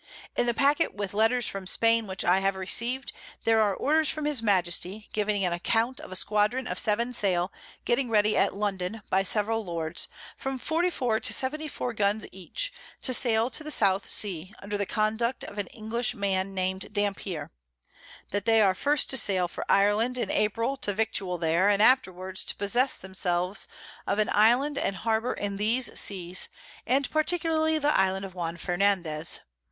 _] "In the Packet with Letters from Spain, which I have received, there are Orders from his Majesty, giving an account of a Squadron of 7 Sail, getting ready at London by several Lords, from 44 to 74 Guns each, to sail to the South Sea, under the Conduct of an English man nam'd Dampier: That they are first to sail for Ireland in April to victual there, and afterwards to possess themselves of an Island and Harbour in these Seas, and particularly the Island of Juan Fernandez.